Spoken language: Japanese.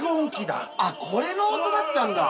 あっこれの音だったんだ。